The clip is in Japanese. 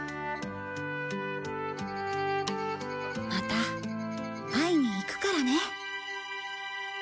また会いに行くからね。